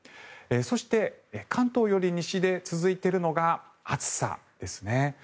そして、関東より西で続いているのが暑さですね。